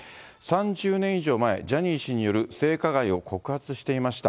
３０年以上前、ジャニー氏による性加害を告発していました。